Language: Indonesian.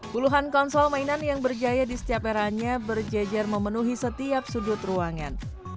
puluhan konsol mainan yang berjaya di setiap eranya berjejer memenuhi setiap sudut ruangan